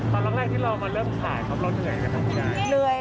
ตอนแรกที่เรามาเริ่มขายครับเราเหนื่อยไหมครับคุณยาย